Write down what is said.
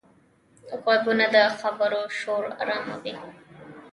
غوږونه د خبرو شور آراموي